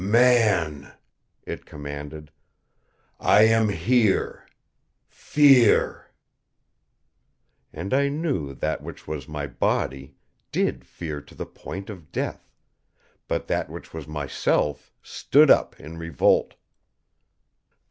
"Man," It commanded, "I am here. Fear!" And I knew that which was my body did fear to the point of death, but that which was myself stood up in revolt.